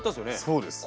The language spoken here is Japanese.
そうです。